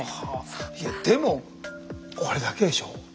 でもこれだけでしょ。